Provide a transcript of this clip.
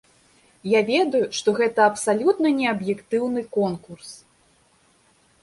Я ведаю, што гэта абсалютна не аб'ектыўны конкурс.